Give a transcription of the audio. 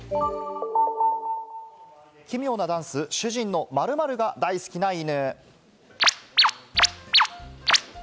奇妙なダンス、主人の〇〇が大好きな犬。